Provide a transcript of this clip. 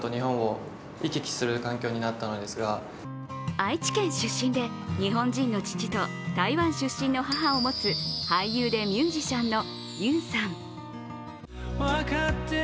愛知県出身で日本人の父と台湾出身の母を持つ俳優でミュージシャンのＹＵさん。